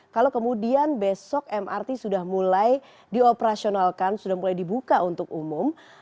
kalau kemudian besok mrt sudah mulai dioperasionalkan sudah mulai dibuka untuk umum